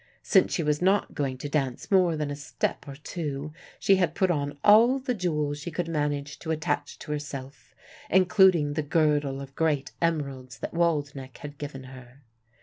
Since she was not going to dance more than a step or two she had put on all the jewels she could manage to attach to herself, including the girdle of great emeralds that Waldenech had given her.